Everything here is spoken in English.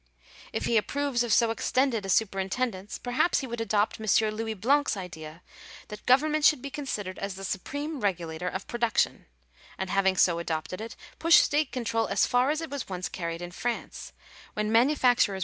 If he approves of so extended a superintendence, perhaps he would adopt M. Louis Blanc's idea that " government should be considered as the supreme regulator of production," and having so adopted it, push state control as far as it was once carried in France, when manufacturers Digitized by VjOOQIC THE LIMIT OF STATE DUTY.